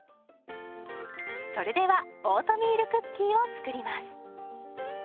それではオートミールクッキーを作ります。